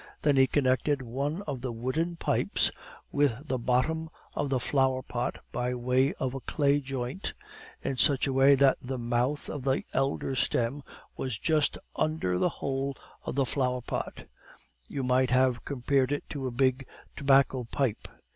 Then he connected one of the wooden pipes with the bottom of the flower pot by way of a clay joint, in such a way that the mouth of the elder stem was just under the hole of the flower pot; you might have compared it to a big tobacco pipe.